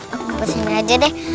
aku mau pet sini aja deh